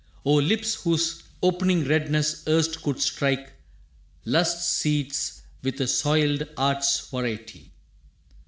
O lips whose opening redness erst could strike Lust's seats with a soiled art's variety!